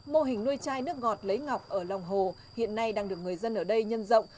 mô hình nuôi chai nước ngọt lấy ngọc ở lòng hồ hiện nay đang được người dân ở đây nhân rộng